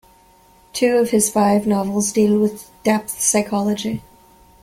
Two of his five novels deal with depth psychology.